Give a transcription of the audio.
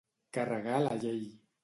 Carregar la llei.